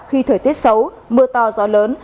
khi thời tiết xấu mưa to gió lớn